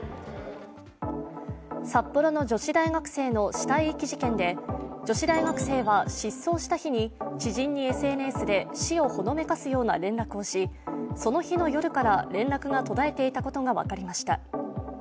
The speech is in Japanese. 札幌の女子大学生の死体遺棄事件で女子大学生は失踪した日に知人にＳＮＳで死をほのめかすような連絡をし、その日の夜から連絡が途絶えていたことが分かりました。